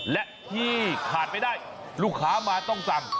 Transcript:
และที่ขาดไม่ได้ลูกค้ามาต้องสั่ง